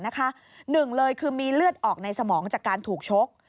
หนึ่งเลยคือมีเลือดออกในสมองจากการถูกชก